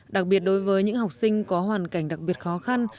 đặc biệt đối với những học sinh có hoàn cảnh đặc biệt khó khăn